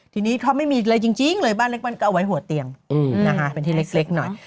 ทีนี้เขาไม่มีอะไรจริงเลยบ้านเล็กบ้านก็เอาไว้หัวเตียงนะคะเป็นที่เล็กหน่อย